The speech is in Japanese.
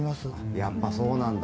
やっぱりそうなんだ。